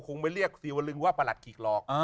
คงไม่เรียกซีวลึงว่าประหลัดขิกหรอก